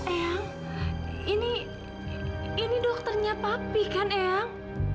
eyang ini dokternya papi kan eyang